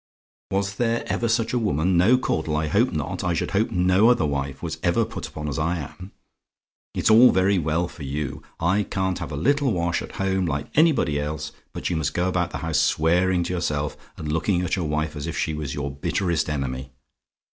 "WAS THERE EVER SUCH A WOMAN? "No, Caudle; I hope not: I should hope no other wife was ever put upon as I am! It's all very well for you. I can't have a little wash at home like anybody else but you must go about the house swearing to yourself, and looking at your wife as if she was your bitterest enemy.